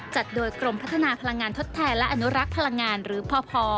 จัดโดยกรมพัฒนาพลังงานทดแทนและอนุรักษ์พลังงานหรือพอ